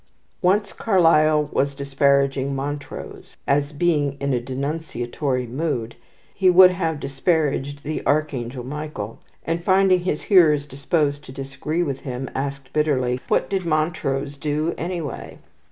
Once Carlyle was disparaging Montrose, as (being in a denunciatory mood) he would have disparaged the Archangel Michael; and, finding his hearers disposed to disagree with him, asked bitterly: "What did Montrose do anyway?"